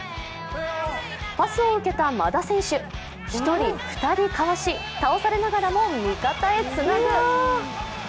パスを受けた馬田選手、１人、２人かわし、倒されながらも味方へつなぐ。